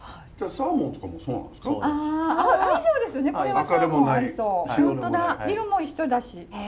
色も一緒だし。